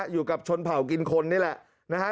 อยู่กับชนเผากินคนนี่แหละ